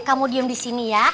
kamu diem di sini ya